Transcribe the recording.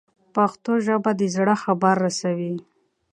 پښتو ژبه د زړه خبره رسوي.